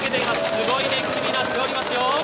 すごい熱気になっておりますよ。